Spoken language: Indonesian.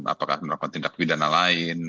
apakah melakukan tindak pidana lain